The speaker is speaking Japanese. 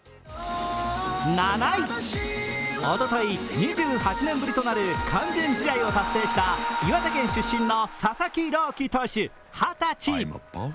７位、おととい２８年ぶりとなる完全試合を達成した岩手県出身の佐々木朗希投手２０歳。